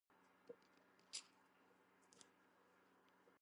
პუსანი, სეულის შემდეგ, მოსახლეობის რაოდენობის მიხედვით მეორე ქალაქია ქვეყანაში.